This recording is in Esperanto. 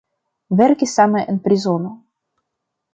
Verkis same en prizono.